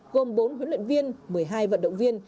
gồm bốn huấn luyện viên một mươi hai vận động viên